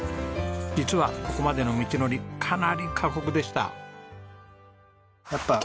実はここまでの道のりかなり過酷でした。